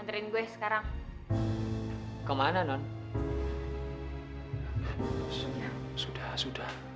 dari tempat kamu